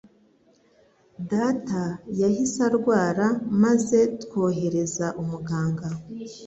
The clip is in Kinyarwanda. Data yahise arwara maze twohereza umuganga.